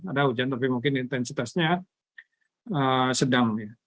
ada hujan tapi mungkin intensitasnya sedang